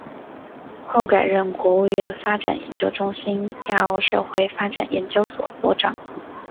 后改任国务院发展研究中心欧亚社会发展研究所所长。